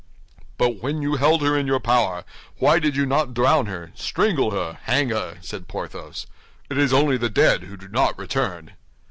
"But when you held her in your power, why did you not drown her, strangle her, hang her?" said Porthos. "It is only the dead who do not return."